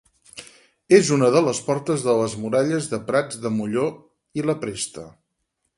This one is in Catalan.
És una de les portes de les Muralles de Prats de Molló i la Presta.